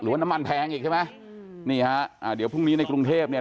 ว่าน้ำมันแพงอีกใช่ไหมนี่ฮะอ่าเดี๋ยวพรุ่งนี้ในกรุงเทพเนี่ย